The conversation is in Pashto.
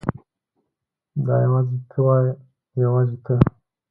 دا یوازې ته وې یوازې ته.